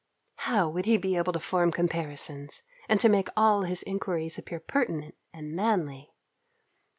How would he be able to form comparisons, and to make all his inquiries appear pertinent and manly.